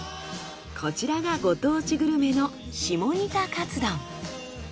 こちらがご当地グルメの下仁田かつ丼。